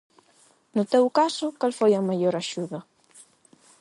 No teu caso, cal foi a maior axuda?